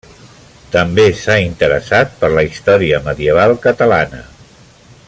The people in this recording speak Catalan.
També s'ha interessat per la història medieval catalana.